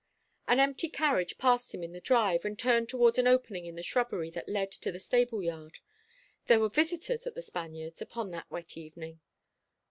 An empty carriage passed him in the drive, and turned towards an opening in the shrubbery that led to the stable yard. There were visitors at The Spaniards, upon that wet evening!